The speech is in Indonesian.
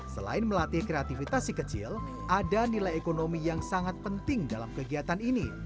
selain melatih kreativitas si kecil ada nilai ekonomi yang sangat penting dalam kegiatan ini